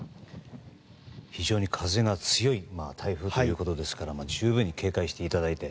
非常に風が強い台風ということですから十分に警戒していただいて。